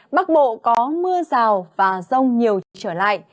bắc bộ có mưa rào và rông nhiều chỉ trở lại